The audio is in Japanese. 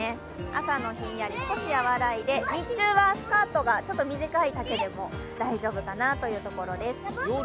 朝のひんやり、少し和らいで日中はスカートがちょっと短い丈でも大丈夫かなというところです。